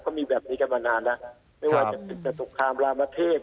เขามีแบบนี้กันมานานแล้วไม่ว่าจะเป็นสงครามรามเทพ